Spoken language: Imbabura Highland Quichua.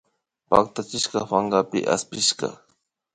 Pactachishka pankapi aspishka